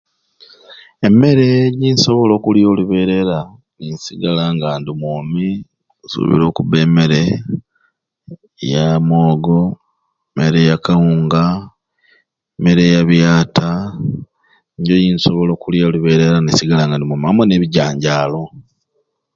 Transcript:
Emere jensobola okulya oluberera ninsigala nga ndi mwomi nsubira okuba emere ya mwoogo, mere ya kawunga, mere ya biyata nijo yinsobola okulya oluberera ninsigala nga ndi mwomi amwei nebijanjalo.